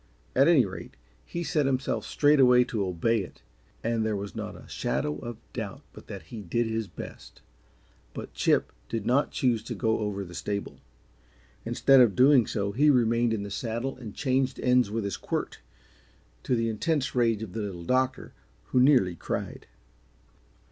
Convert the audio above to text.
At any rate, he set himself straightway to obey it, and there was not a shadow of doubt but that he did his best but Chip did not choose to go over the stable. Instead of doing so, he remained in the saddle and changed ends with his quirt, to the intense rage of the Little Doctor, who nearly cried.